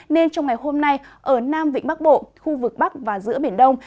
nên trong ngày hôm nay ở nam vịnh bắc bộ khu vực bắc và giữa biển đông